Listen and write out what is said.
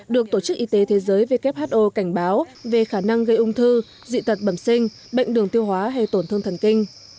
được tổ chức y tế thế giới who cảnh báo về khả năng gây ung thư dị tật bẩm sinh bệnh đường tiêu hóa hay tổn thương thần kinh